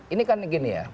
ini kan begini ya